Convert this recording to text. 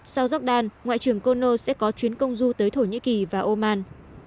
sau jordan ngoại trưởng kono sẽ có chuyến công du tới thổ nhĩ kỳ và oman